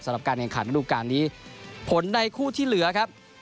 สำหรับการเงินขาดรูปการณ์นี้ผลในคู่ที่เหลือครับ